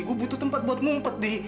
gue butuh tempat buat ngumpet di